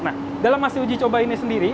nah dalam masa uji coba ini sendiri